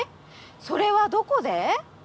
それはどこで？